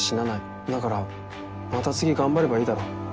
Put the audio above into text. だからまた次頑張ればいいだろ。